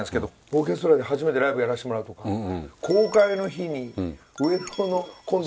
オーケストラで初めてライブやらせてもらうとか公開の日に今度上野の美術館で。